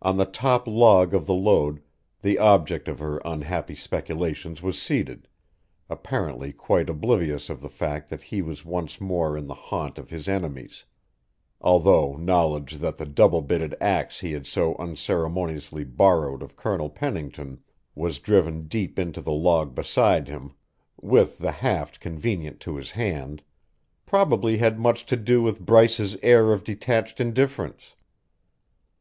On the top log of the load the object of her unhappy speculations was seated, apparently quite oblivious of the fact that he was back once more in the haunt of his enemies, although knowledge that the double bitted axe he had so unceremoniously borrowed of Colonel Pennington was driven deep into the log beside him, with the haft convenient to his hand, probably had much to do with Bryce's air of detached indifference.